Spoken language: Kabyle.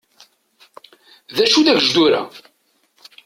D acu dagejdur-a?